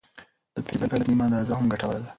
د فزیکي فعالیت نیمه اندازه هم ګټوره ده.